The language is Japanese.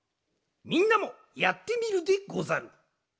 みんなもやってみるでござる。